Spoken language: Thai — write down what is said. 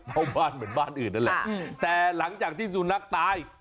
บ้านเหมือนบ้านอื่นนั่นแหละแต่หลังจากที่สุนัขตาย